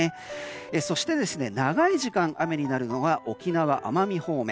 そして、長い時間雨になるのが沖縄・奄美方面。